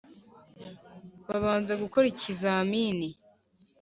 Babanza gukora ikizamini.